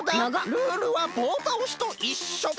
ルールはぼうたおしといっしょだ！